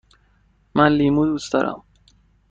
من لیمو دوست دارم.